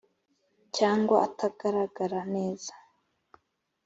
cyangwa atagaragara neza